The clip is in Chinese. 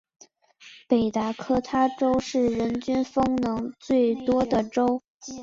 北达科他州是人均风能最多的州。